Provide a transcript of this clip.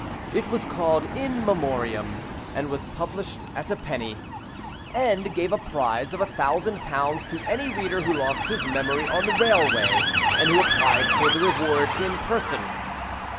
It was called In Memoriam, and was published at a penny, and gave a prize of a thousand pounds to any reader who lost his memory on the railway, and who applied for the reward in person.